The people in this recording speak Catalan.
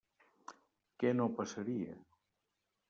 Què no passaria?